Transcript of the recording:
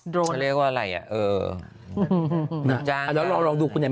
ก็เรียกว่าอะไรอ่ะ